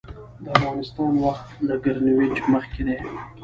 د افغانستان وخت له ګرینویچ مخکې دی